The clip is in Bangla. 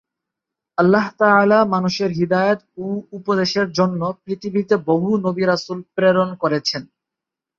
আল্লাহ্-তা‘আলা মানুষের হিদায়াত ও উপদেশের জন্য পৃথিবীতে বহু নবী-রাসুল প্রেরণ করেছেন।